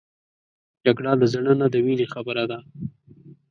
جګړه د زړه نه د وینې خبره ده